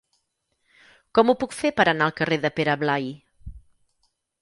Com ho puc fer per anar al carrer de Pere Blai?